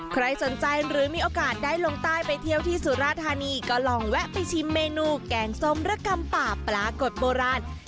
ใครสนใจหรือมีโอกาสได้ลงใต้ไปเที่ยวที่สุราธานีก็ลองแวะไปชิมเมนูแกงส้มระกำป่าปลากดโบราณ